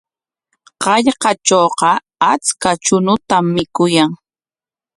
Hallqatrawqa achka chuñutam mikuyan.